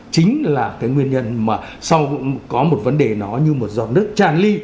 chính là cái nguyên nhân mà có một vấn đề nó như một giọt nước tràn ly